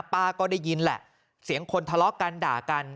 ป้าก็ได้ยินแหละเสียงคนทะเลาะกันด่ากัน